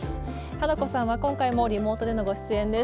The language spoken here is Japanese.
花子さんは今回もリモートでのご出演です。